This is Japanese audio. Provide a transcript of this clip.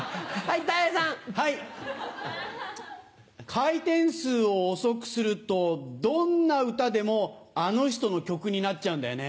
回転数を遅くするとどんな歌でもあの人の曲になっちゃうんだよね。